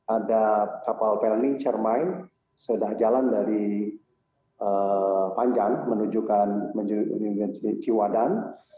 ada kapal pelni cermai sudah jalan dari panjang menuju ciwadan